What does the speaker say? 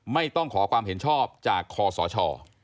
ไม่ต้องขอความเห็นชอบจากคอสช